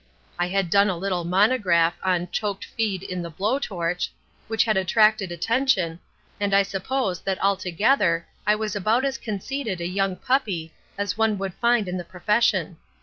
I had done a little monograph on Choked Feed in the Blow Torch, which had attracted attention, and I suppose that altogether I was about as conceited a young puppy as one would find in the profession.